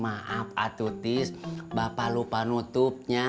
maaf atuh tis bapak lupa nutupnya